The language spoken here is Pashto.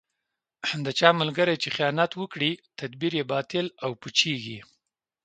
د چا ملګری چې خیانت وکړي، تدبیر یې باطل او پوچېـږي.